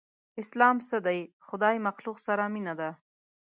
اسلام څه دی؟ خدای مخلوق سره ده مينه